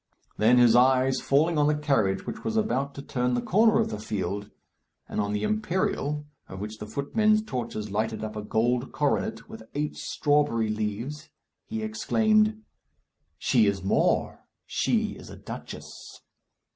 Then his eyes falling on the carriage which was about to turn the corner of the field, and on the imperial of which the footmen's torches lighted up a golden coronet, with eight strawberry leaves, he exclaimed, "She is more. She is a duchess."